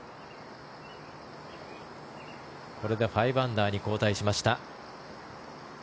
これで５アンダーに後退しました。